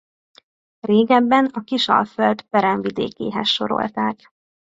Régebben a Kisalföld peremvidékéhez sorolták.